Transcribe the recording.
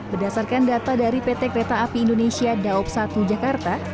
berdasarkan data dari pt kereta api indonesia daob satu jakarta